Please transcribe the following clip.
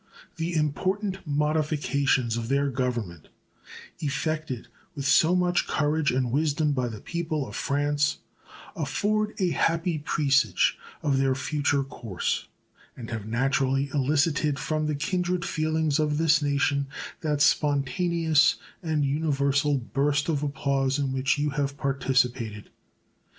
The important modifications of their Government, effected with so much courage and wisdom by the people of France, afford a happy presage of their future course, and have naturally elicited from the kindred feelings of this nation that spontaneous and universal burst of applause in which you have participated.